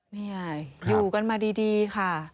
นี่ไงอยู่กันมาดีค่ะ